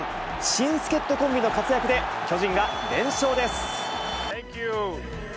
新助っ人コンビの活躍で、巨人が連勝です。